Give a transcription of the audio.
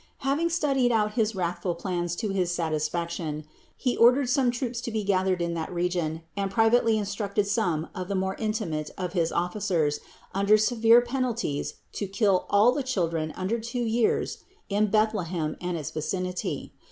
Having studied out his wrathful plans to his satisfaction, he ordered some troops to be gathered in that region and privately instructed some of the more intimate of his officers under severe penalties to kill all the children under two years in Bethlehem and its vicinity.